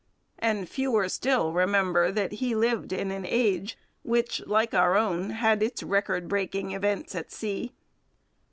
And fewer still remember that he lived in an age which, like our own, had its 'record breaking' events at sea.